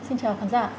xin chào khán giả